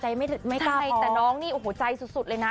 ใจไม่กล้าพอแต่น้องนี่ใจสุดเลยนะ